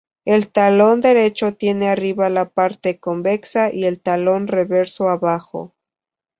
El talón derecho tiene arriba la parte convexa, y el talón reverso abajo.